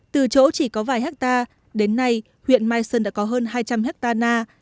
từ chỗ chỉ có vài hectare đến nay huyện mai sơn đã có hơn hai trăm linh hectare na